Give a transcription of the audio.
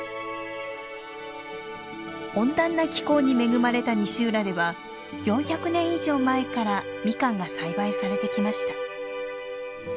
温暖な気候に恵まれた西浦では４００年以上前からミカンが栽培されてきました。